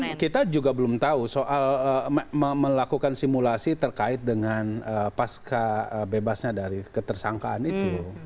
ya kita juga belum tahu soal melakukan simulasi terkait dengan pasca bebasnya dari ketersangkaan itu